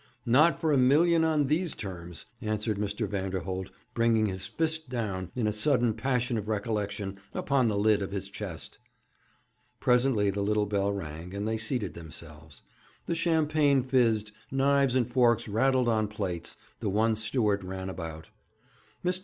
'Not for a million on these terms,' answered Mr. Vanderholt, bringing his fist down, in a sudden passion of recollection, upon the lid of his chest. Presently the little bell rang, and they seated themselves. The champagne fizzed, knives and forks rattled on plates, the one steward ran about. Mr.